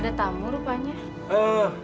ada tamu rupanya